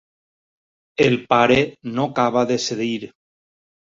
El pare no acaba de cedir.